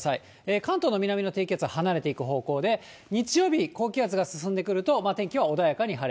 関東の南の低気圧は離れていく方向で、日曜日、高気圧が進んでくると、天気は穏やかに晴れ。